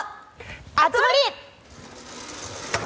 熱盛！